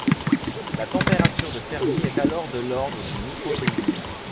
La température de Fermi est alors de l'ordre du microkelvin.